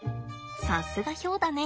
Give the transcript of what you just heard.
さすがヒョウだね。